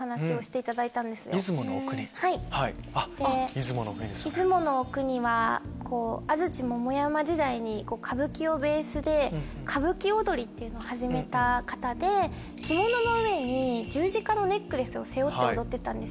で出雲阿国は安土桃山時代に歌舞伎をベースでかぶき踊りっていうのを始めた方で着物の上に十字架のネックレスを背負って踊ってたんですよ。